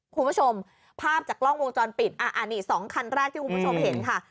คุณผู้ชมภาพจากกล้องวงจรปิดสองคันแรกที่คุณผู้ชมเห็นค่ะ